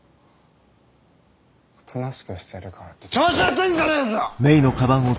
おとなしくしてるからって調子乗ってんじゃねえぞ！